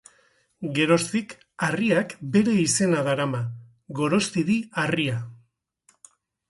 Geroztik harriak bere izena darama: Gorostidi harria.